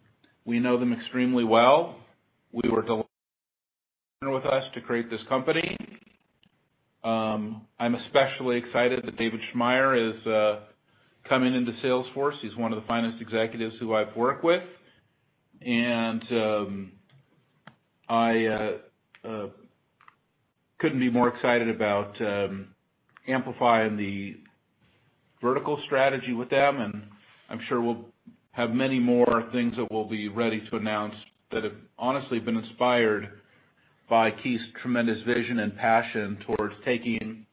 We know them extremely well. We were delighted for them to come with us to create this company. I'm especially excited that David Schmaier is coming into Salesforce. He's one of the finest executives who I've worked with. I couldn't be more excited about amplifying the vertical strategy with them. I'm sure we'll have many more things that we'll be ready to announce that have honestly been inspired by Keith's tremendous vision and passion towards taking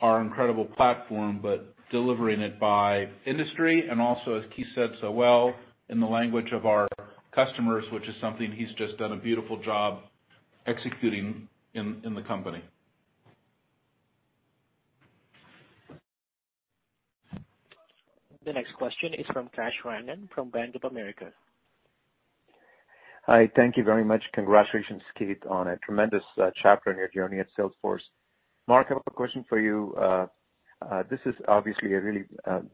our incredible platform, but delivering it by industry and also, as Keith said so well, in the language of our customers, which is something he's just done a beautiful job executing in the company. The next question is from Kash Rangan from Bank of America. Hi, thank you very much. Congratulations, Keith, on a tremendous chapter in your journey at Salesforce. Marc, I have a question for you. This is obviously a really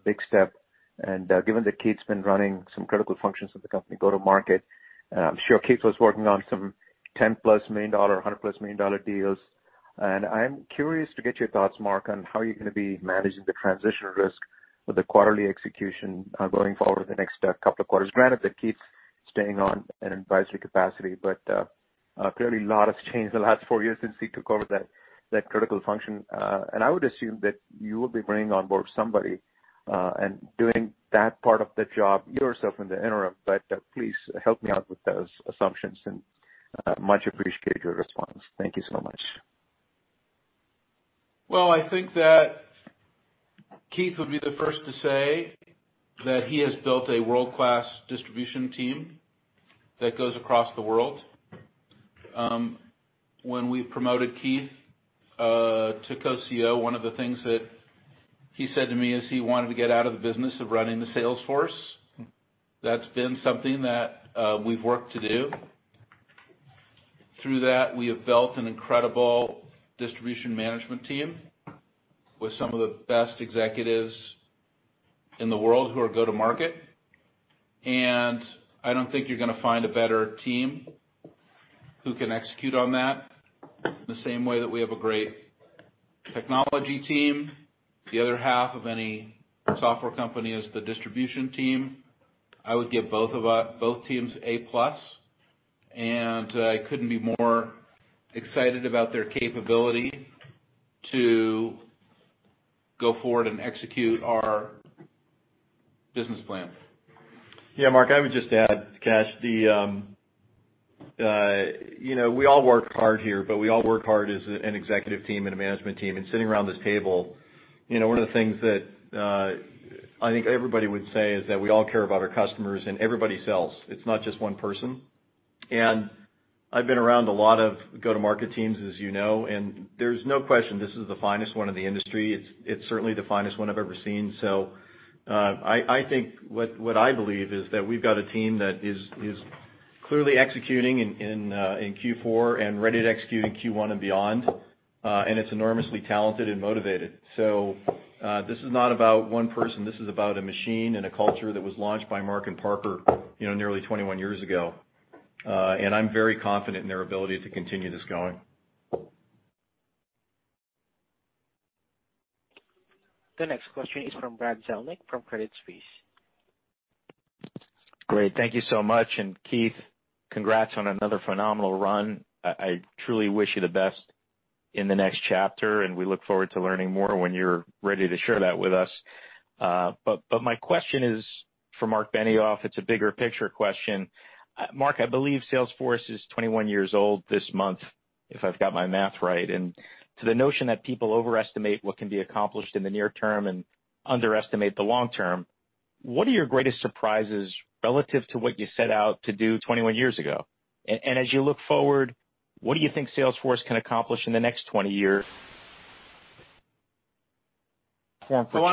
big step, and given that Keith's been running some critical functions of the company go-to-market, I'm sure Keith was working on some 10 million-dollar, 100-plus-million-dollar deals. I'm curious to get your thoughts, Marc, on how you're going to be managing the transition risk with the quarterly execution going forward in the next couple of quarters. Granted that Keith's staying on in an advisory capacity, but clearly a lot has changed in the last four years since he took over that critical function. I would assume that you will be bringing on board somebody and doing that part of the job yourself in the interim, but please help me out with those assumptions, and much appreciate your response. Thank you so much. Well, I think that Keith would be the first to say that he has built a world-class distribution team that goes across the world. When we promoted Keith to co-CEO, one of the things that he said to me is he wanted to get out of the business of running the sales force. That's been something that we've worked to do. Through that, we have built an incredible distribution management team with some of the best executives in the world who are go-to-market. I don't think you're going to find a better team who can execute on that in the same way that we have a great technology team. The other half of any software company is the distribution team. I would give both teams A plus, and I couldn't be more excited about their capability to go forward and execute our business plan. Yeah, Marc, I would just add, Kash, we all work hard here, but we all work hard as an executive team and a management team. Sitting around this table, one of the things that I think everybody would say is that we all care about our customers and everybody sells. It's not just one person. I've been around a lot of go-to-market teams, as you know, and there's no question this is the finest one in the industry. It's certainly the finest one I've ever seen. I think what I believe is that we've got a team that is clearly executing in Q4 and ready to execute in Q1 and beyond. It's enormously talented and motivated. This is not about one person. This is about a machine and a culture that was launched by Marc and Parker nearly 21 years ago. I'm very confident in their ability to continue this going. The next question is from Brad Zelnick from Credit Suisse. Great. Thank you so much. Keith, congrats on another phenomenal run. I truly wish you the best in the next chapter, and we look forward to learning more when you're ready to share that with us. My question is for Marc Benioff. It's a bigger picture question. Marc, I believe Salesforce is 21 years old this month, if I've got my math right. To the notion that people overestimate what can be accomplished in the near term and underestimate the long term, what are your greatest surprises relative to what you set out to do 21 years ago? As you look forward, what do you think Salesforce can accomplish in the next 20 years? I was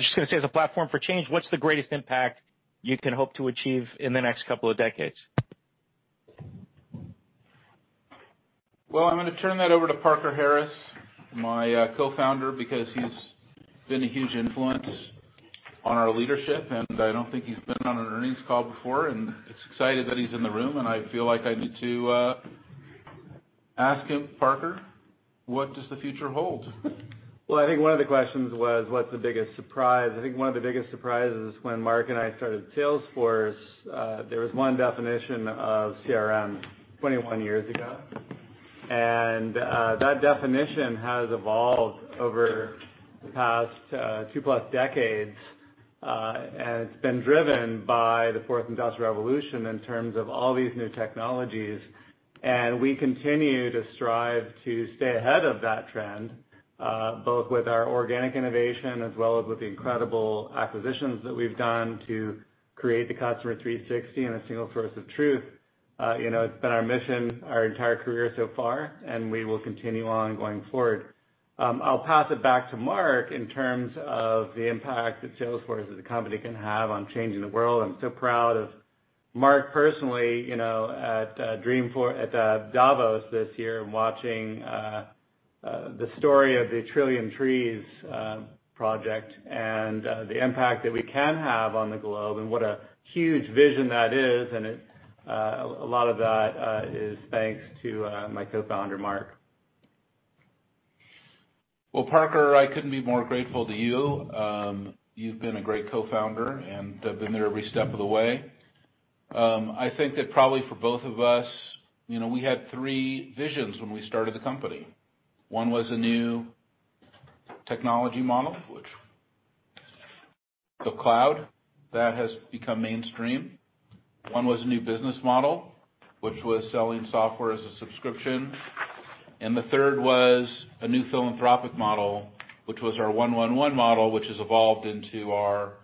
just going to say, as a platform for change, what's the greatest impact you can hope to achieve in the next couple of decades? I'm going to turn that over to Parker Harris, my co-founder, because he's been a huge influence on our leadership. I don't think he's been on an earnings call before. Excited that he's in the room. I feel like I need to ask him. Parker, what does the future hold? Well, I think one of the questions was, what's the biggest surprise? I think one of the biggest surprises is when Marc and I started Salesforce, there was one definition of CRM 21 years ago. That definition has evolved over the past two-plus decades. It's been driven by the fourth industrial revolution in terms of all these new technologies. We continue to strive to stay ahead of that trend, both with our organic innovation as well as with the incredible acquisitions that we've done to create the Customer 360 and a single source of truth. It's been our mission our entire career so far, and we will continue on going forward. I'll pass it back to Marc in terms of the impact that Salesforce as a company can have on changing the world. I'm so proud of Marc personally, at Davos this year and watching the story of the Trillion Trees Project and the impact that we can have on the globe, what a huge vision that is. A lot of that is thanks to my co-founder, Marc. Well, Parker, I couldn't be more grateful to you. You've been a great co-founder and have been there every step of the way. I think that probably for both of us, we had three visions when we started the company. One was a new technology model, which the cloud, that has become mainstream. One was a new business model, which was selling software as a subscription. The third was a new philanthropic model, which was our 1-1-1 model, which has evolved into our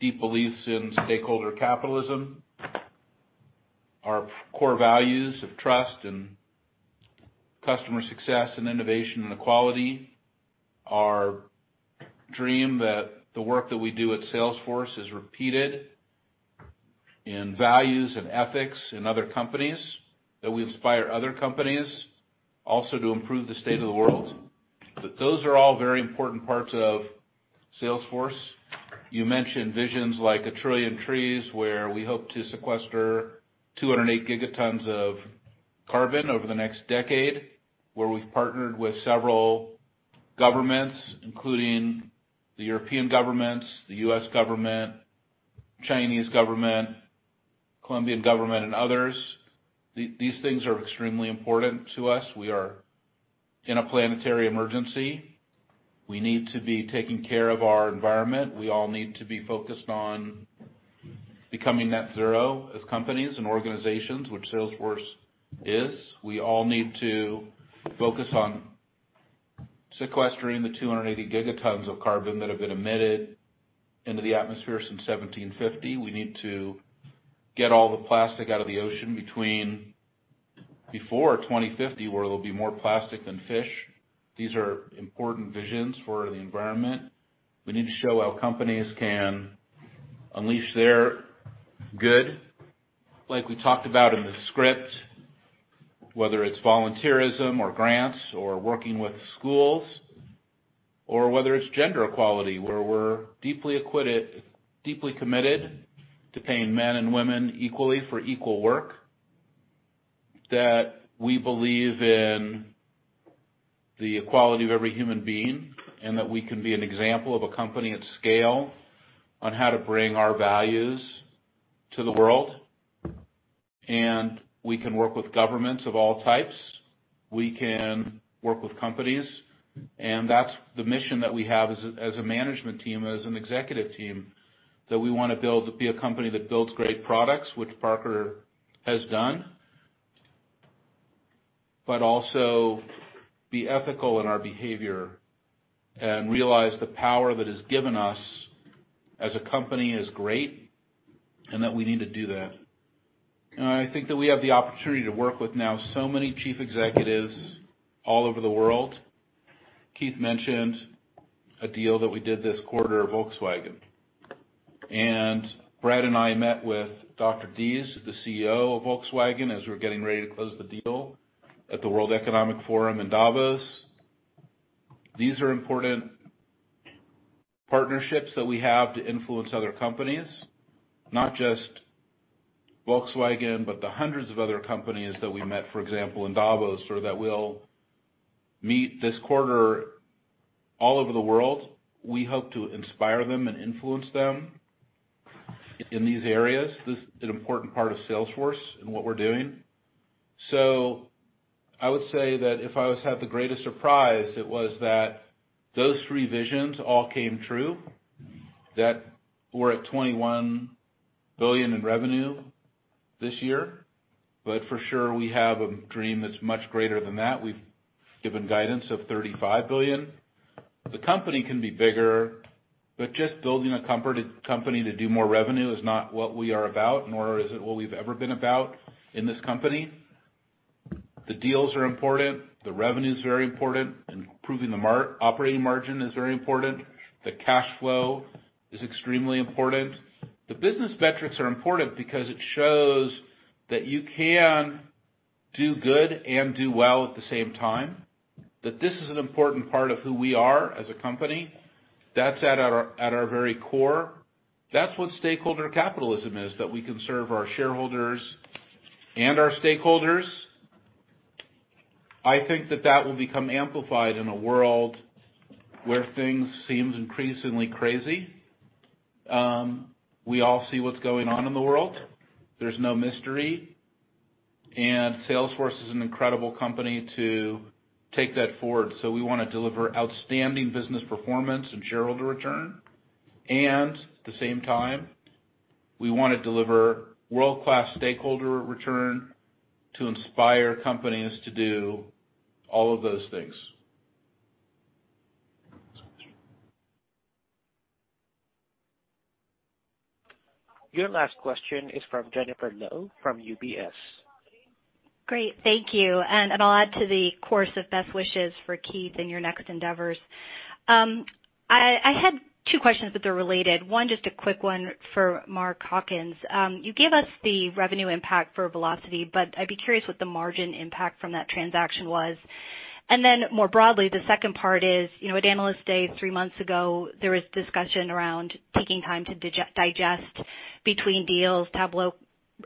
deep beliefs in stakeholder capitalism, our core values of trust and customer success and innovation and equality, our dream that the work that we do at Salesforce is repeated in values and ethics in other companies, that we inspire other companies also to improve the state of the world. Those are all very important parts of Salesforce. You mentioned visions like a Trillion Trees, where we hope to sequester 208 gigatons of carbon over the next decade, where we've partnered with several governments, including the European Governments, the U.S. Government, Chinese Government, Colombian Government, and others. These things are extremely important to us. We are in a planetary emergency. We need to be taking care of our environment. We all need to be focused on becoming net zero as companies and organizations, which Salesforce is. We all need to focus on sequestering the 280 gigatons of carbon that have been emitted into the atmosphere since 1750. We need to get all the plastic out of the ocean before 2050, where there'll be more plastic than fish. These are important visions for the environment. We need to show how companies can unleash their good, like we talked about in the script, whether it's volunteerism or grants or working with schools, or whether it's gender equality, where we're deeply committed to paying men and women equally for equal work, that we believe in the equality of every human being, and that we can be an example of a company at scale on how to bring our values to the world. We can work with governments of all types. We can work with companies. That's the mission that we have as a management team, as an executive team, that we want to be a company that builds great products, which Parker has done, but also be ethical in our behavior and realize the power that is given us as a company is great, and that we need to do that. I think that we have the opportunity to work with now so many chief executives all over the world. Keith mentioned a deal that we did this quarter, Volkswagen. Brad and I met with Dr. Diess, the CEO of Volkswagen, as we were getting ready to close the deal at the World Economic Forum in Davos. These are important partnerships that we have to influence other companies. Not just Volkswagen, but the hundreds of other companies that we met, for example, in Davos, or that we'll meet this quarter all over the world. We hope to inspire them and influence them in these areas. This is an important part of Salesforce and what we're doing. I would say that if I was to have the greatest surprise, it was that those three visions all came true, that we're at $21 billion in revenue this year. For sure, we have a dream that's much greater than that. We've given guidance of $35 billion. The company can be bigger, but just building a company to do more revenue is not what we are about, nor is it what we've ever been about in this company. The deals are important. The revenue's very important. Improving the operating margin is very important. The cash flow is extremely important. The business metrics are important because it shows that you can do good and do well at the same time, that this is an important part of who we are as a company. That's at our very core. That's what stakeholder capitalism is, that we can serve our shareholders and our stakeholders. I think that that will become amplified in a world where things seems increasingly crazy. We all see what's going on in the world. There's no mystery. Salesforce is an incredible company to take that forward. We want to deliver outstanding business performance and shareholder return, and at the same time, we want to deliver world-class stakeholder return to inspire companies to do all of those things. Your last question is from Jennifer Lowe from UBS. Great. Thank you. I'll add to the chorus of best wishes for Keith in your next endeavors. I had two questions, but they're related. One, just a quick one for Mark Hawkins. You gave us the revenue impact for Vlocity, but I'd be curious what the margin impact from that transaction was. More broadly, the second part is, at Analyst Day three months ago, there was discussion around taking time to digest between deals. Tableau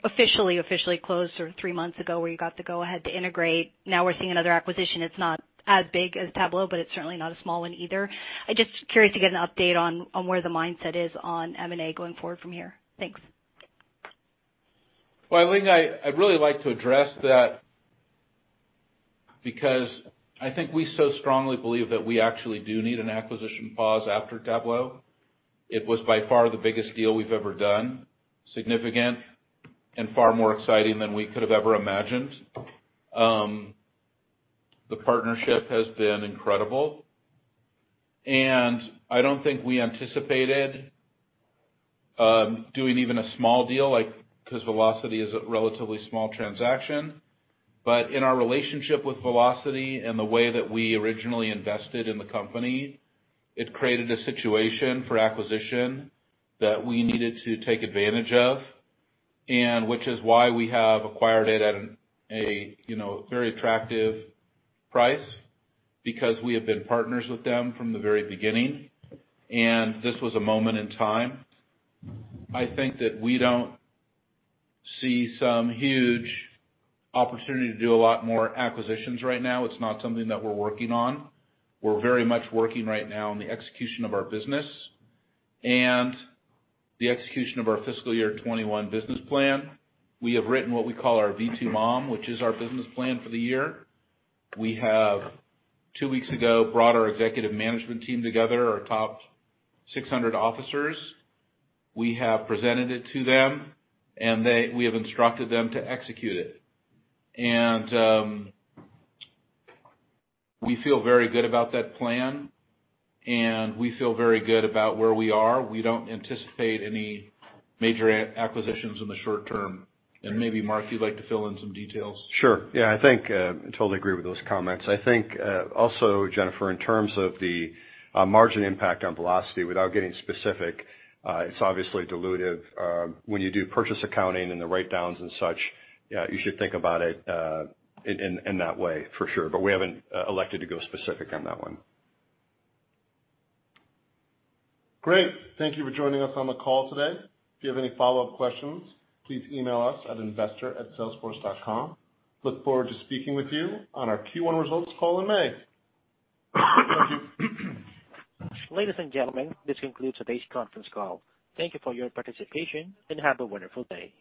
officially closed three months ago, where you got the go ahead to integrate. Now we're seeing another acquisition. It's not as big as Tableau, but it's certainly not a small one either. I'm just curious to get an update on where the mindset is on M&A going forward from here. Thanks. Well, I think I'd really like to address that because I think we so strongly believe that we actually do need an acquisition pause after Tableau. It was by far the biggest deal we've ever done, significant and far more exciting than we could have ever imagined. The partnership has been incredible. I don't think we anticipated doing even a small deal, because Vlocity is a relatively small transaction. In our relationship with Vlocity and the way that we originally invested in the company, it created a situation for acquisition that we needed to take advantage of, which is why we have acquired it at a very attractive price, because we have been partners with them from the very beginning. This was a moment in time. I think that we don't see some huge opportunity to do a lot more acquisitions right now. It's not something that we're working on. We're very much working right now on the execution of our business and the execution of our fiscal year 2021 business plan. We have written what we call our V2MOM, which is our business plan for the year. We have, two weeks ago, brought our executive management team together, our top 600 officers. We have presented it to them. We have instructed them to execute it. We feel very good about that plan, and we feel very good about where we are. We don't anticipate any major acquisitions in the short term. Maybe, Mark, you'd like to fill in some details. Sure. Yeah. I think I totally agree with those comments. I think also, Jennifer, in terms of the margin impact on Vlocity, without getting specific, it's obviously dilutive. When you do purchase accounting and the write-downs and such, you should think about it in that way for sure. We haven't elected to go specific on that one. Great. Thank you for joining us on the call today. If you have any follow-up questions, please email us at investor@salesforce.com. Look forward to speaking with you on our Q1 results call in May. Ladies and gentlemen, this concludes today's conference call. Thank you for your participation, and have a wonderful day.